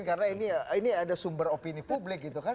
karena ini ada sumber opini publik gitu kan